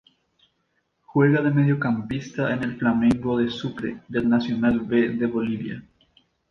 Juega de mediocampista en el Flamengo de Sucre del Nacional B de Bolivia.